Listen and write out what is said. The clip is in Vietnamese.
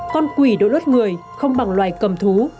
con quỷ đối lốt người không bằng loài cầm thú